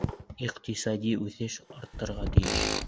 Иҡтисади үҫеш артырға тейеш.